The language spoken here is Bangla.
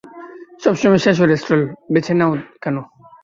সবসময় শেষের স্টল বেছে নাও কেন?